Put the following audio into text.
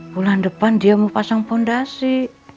bulan depan dia mau pasang fondasi